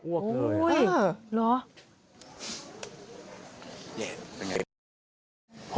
อ้วกเลยโอ้โฮหรือโอ้โฮ